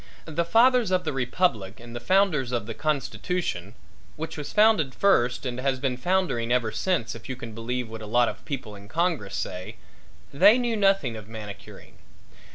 The fathers of the republic and the founders of the constitution, which was founded first and has been foundering ever since if you can believe what a lot of people in Congress say they knew nothing of manicuring.